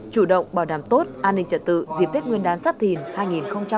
chủ động bảo đảm tốt an ninh trật tự dịp tết nguyên đán sắp thìn hai nghìn hai mươi bốn